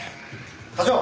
課長。